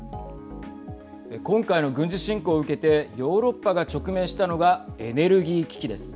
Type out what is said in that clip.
今回の軍事侵攻を受けてヨーロッパが直面したのがエネルギー危機です。